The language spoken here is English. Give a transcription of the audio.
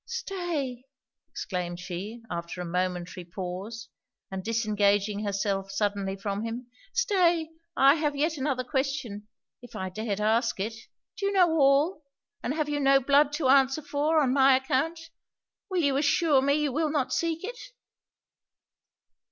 'Stay!' exclaimed she, after a momentary pause, and disengaging herself suddenly from him 'Stay! I have yet another question, if I dared ask it! Do you know all? and have you no blood to answer for, on my account? Will you assure me you will not seek it?'